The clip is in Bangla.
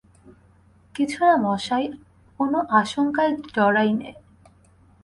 কিছু না মশায়, কোনো আশঙ্কায় ডরাই নে।